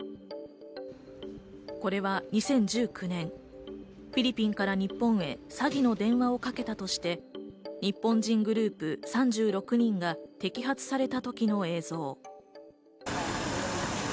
これは２０１９年、フィリピンから日本へ詐欺の電話をかけたとして、日本人グループ３６人が摘発された時の映像。